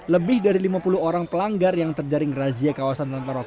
lebih dari lima puluh orang pelanggar yang terjaring razia kawasan tanpa rokok